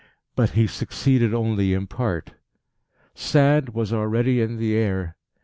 But he succeeded only in part. Sand was already in the air.